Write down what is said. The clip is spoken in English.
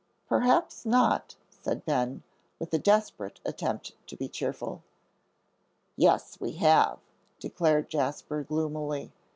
"Perhaps not," said Ben, with a desperate attempt to be cheerful. "Yes, we have," declared Jasper, gloomily.